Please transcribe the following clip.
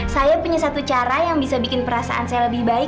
saya punya satu cara yang bisa bikin perasaan saya lebih baik